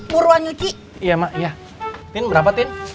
muruan nyuci iya maknya ini berapa tim tujuh ribu